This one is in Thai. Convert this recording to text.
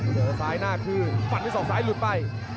เจอซ้ายหน้าขึ้นฟันที่สองซ้ายหลุดไป